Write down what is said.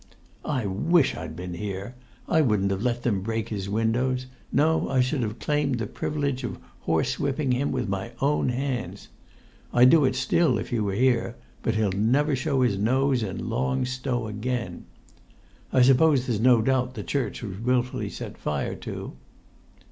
"I wish I'd been here! I wouldn't have let them break his windows; no, I should have claimed the privilege of horsewhipping him with my own hands. I'd do it still if he were here; but he'll never show his nose in Long Stow again. I suppose there's no doubt the church was wilfully set fire to?"